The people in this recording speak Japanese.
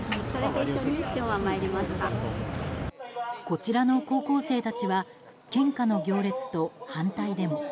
こちらの高校生たちは献花の行列と反対デモ